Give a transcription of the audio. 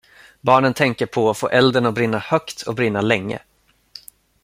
Barnen tänker på att få elden att brinna högt och brinna länge.